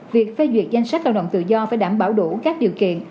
việc phê duyệt danh sách lao động tự do phải đảm bảo đủ các điều kiện